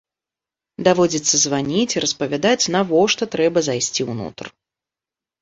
Даводзіцца званіць і распавядаць, навошта трэба зайсці ўнутр.